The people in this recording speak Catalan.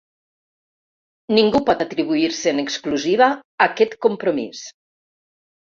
Ningú pot atribuir-se en exclusiva aquest compromís.